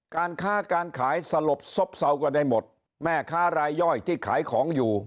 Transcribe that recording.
การค้าการขายสลบซบเซาก็ได้หมดแม่ค้ารายย่อยที่ขายของอยู่